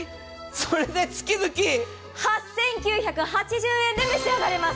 それで月々８９８０円で召し上がれます。